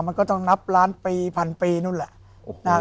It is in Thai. มันก็ต้องนับล้านปีพันปีนู้นแหละนะครับ